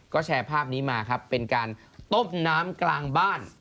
ก็แชร์ภาพนี้มาครับเป็นการต้มน้ำกลางบ้าน